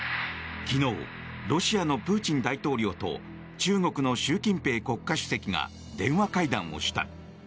昨日、ロシアのプーチン大統領と中国の習近平国家主席が電話会談をした。